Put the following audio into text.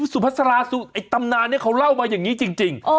สุภาษาตำนานนี้เขาเล่ามาอย่างนี้จริง